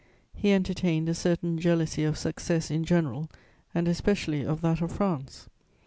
He entertained a certain jealousy of success in general, and especially of that of France.